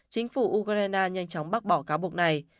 chính phủ ukraine nhanh chóng bác bỏ cáo buộc này